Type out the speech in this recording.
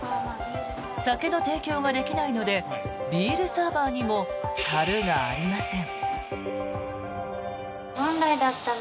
酒の提供ができないのでビールサーバーにもたるがありません。